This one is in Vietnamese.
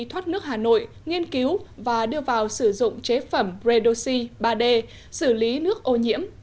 thoát nước hà nội nghiên cứu và đưa vào sử dụng chế phẩm redoxi ba d xử lý nước ô nhiễm